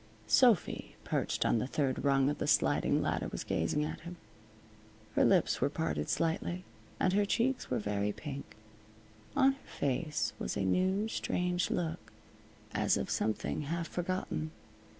Sophy, perched on the third rung of the sliding ladder, was gazing at him. Her lips were parted slightly, and her cheeks were very pink. On her face was a new, strange look, as of something half forgotten.